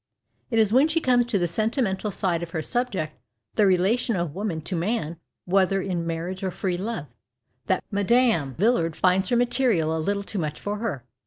It is when she comes to the sentimental side of her subject, the relation of woman to man whether in marriage or " free love," that Mme. Villard finds her material a little too much for her.